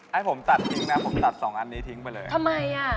ให้ผมตัดทิ้งนะผมตัดสองอันนี้ทิ้งไปเลยทำไมอ่ะ